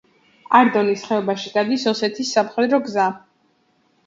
არდონის ხეობაში გადის ოსეთის სამხედრო გზა.